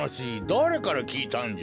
だれからきいたんじゃ？